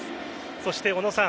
そして小野さん